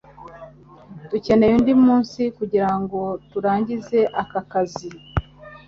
Dukeneye undi munsi kugirango turangize aka kazi.